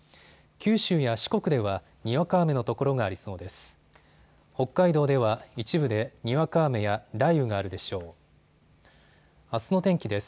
九州や四国ではにわか雨の所がありそうです。